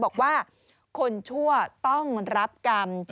บอกว่าคนชั่วต้องรับกรรม